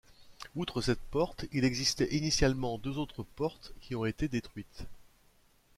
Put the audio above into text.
Outre cette porte, il existait initialement deux autres portes qui ont été détruites.